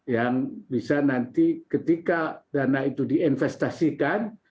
yang bisa nanti ketika dana itu diinvestasikan